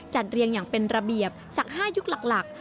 เรียงอย่างเป็นระเบียบจาก๕ยุคหลัก